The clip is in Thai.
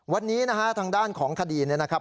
วันนี้นะฮะทางด้านของคดีเนี่ยนะครับ